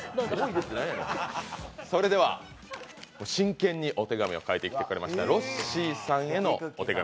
それでは、真剣にお手紙を書いてきてくれました、ロッシーさんへのお手紙。